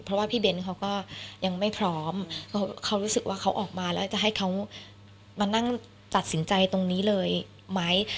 เพราะว่าพี่เบ้นเขาก็ยังไม่พร้อมเขารู้สึกว่าเขาออกมาแล้วจะให้เขามานั่งตัดสินใจตรงนี้เลยไหม